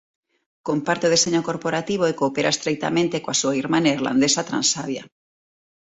Comparte o deseño corporativo e coopera estreitamente coa súa irmá neerlandesa Transavia.